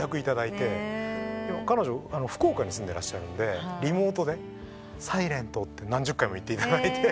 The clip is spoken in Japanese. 彼女福岡に住んでらっしゃるんでリモートで『ｓｉｌｅｎｔ』って何十回も言っていただいて。